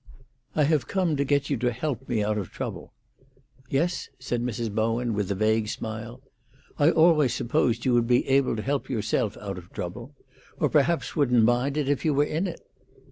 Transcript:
"I have come to get you to help me out of trouble." "Yes?" said Mrs. Bowen, with a vague smile. "I always supposed you would be able to help yourself out of trouble. Or perhaps wouldn't mind it if you were in it."